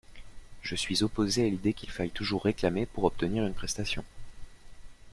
Je suis opposé à l’idée qu’il faille toujours réclamer pour obtenir une prestation.